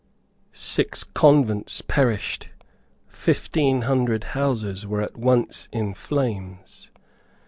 Six convents perished. Fifteen hundred houses were at once in flames.